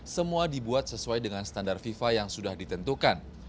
semua dibuat sesuai dengan standar fifa yang sudah ditentukan